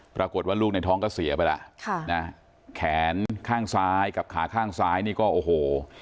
ปรากฏว่าลูกในท้องก็เสียไปแล้วค่ะนะแขนข้างซ้ายกับขาข้างซ้ายนี่ก็โอ้โห